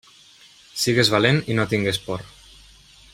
Sigues valent i no tingues por.